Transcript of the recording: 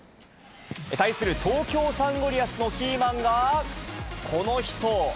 対する東京サンゴリアスのキーマンがこの人。